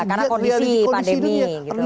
karena kondisi pandemi